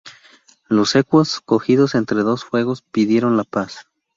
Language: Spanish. Los ecuos, cogidos entre dos fuegos, pidieron la paz.